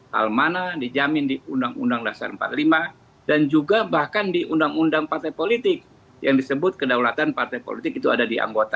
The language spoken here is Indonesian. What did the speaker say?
hal mana dijamin di undang undang dasar empat puluh lima dan juga bahkan di undang undang partai politik yang disebut kedaulatan partai politik itu ada di anggota